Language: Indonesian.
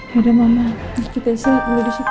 yaudah mama kita isi dulu disitu